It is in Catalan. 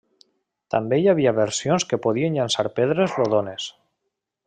També hi havia versions que podien llançar pedres rodones.